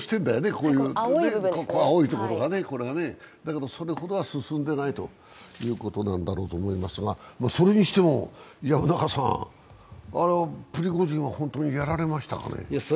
この青いところがねだけど、それほどは進んでいないというところなんだと思いますけど、それにしてもプリゴジンは本当にやられましたかね？